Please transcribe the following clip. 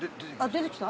出てきた？